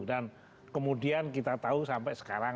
kemudian kita tahu sampai sekarang